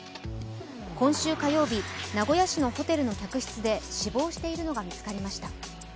今週火曜日、名古屋市のホテルの客室で死亡しているのが見つかりました。